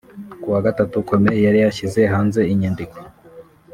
Ku wa Gatatu Comey yari yashyize hanze inyandiko